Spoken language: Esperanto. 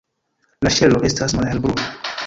La ŝelo estas malhelbruna.